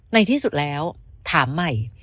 ในที่สุดแล้วถามใหม่